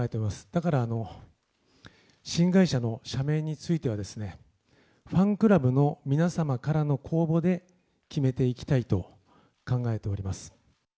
だから新会社の社名についてはファンクラブの皆さまの公募で決めていきたいと考えております。